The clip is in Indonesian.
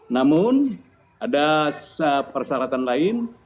namun ada persyaratan lain